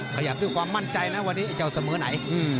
ขยับด้วยความมั่นใจนะวันนี้เจ้าเสมอไหน